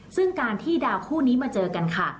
ซึ่งการที่ดาวคู่นี้มาเจอกันค่ะ